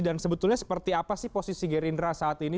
dan sebetulnya seperti apa sih posisi gerindra saat ini